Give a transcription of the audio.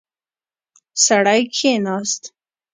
سړی کښیناست.